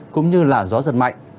cũng như là gió giật mạnh